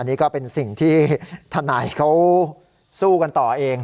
นี่ก็เป็นสิ่งที่ทนายเขาสู้กันต่อเอง